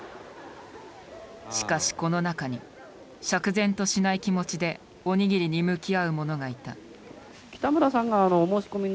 しかしこの中に釈然としない気持ちでおにぎりに向き合う者がいた。